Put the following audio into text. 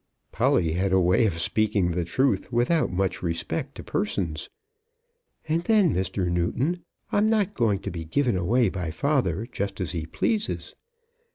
Polly had a way of speaking the truth without much respect to persons. "And then, Mr. Newton, I'm not going to be given away by father just as he pleases.